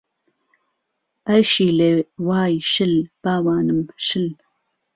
ئایشیلێ وای شل، باوانم شل